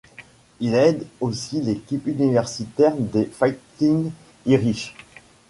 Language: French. Il aide aussi l'équipe universitaire des Fighting Irish.